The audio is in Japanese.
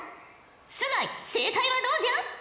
須貝正解はどうじゃ？